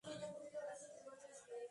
Se alimenta de frutos.